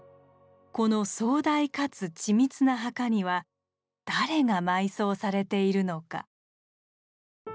この壮大かつ緻密な墓には誰が埋葬されているのか。